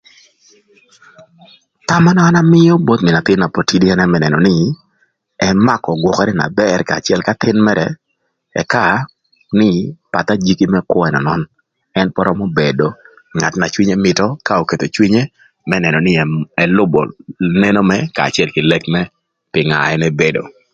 Thama na an amïö both mïn athïn na pod tïdï ënë më nënö nï, ëmakö gwökërë na bër kanya acël k'athïn mërë, ëka nï pathï ajiki më kwö ën ënön, ën pod römö bedo ngat na cwinye mïtö ka oketho cwinye më nënö nï ëlübö neno mërë kanya acël kï lek mërë pï nga na ën ebedo.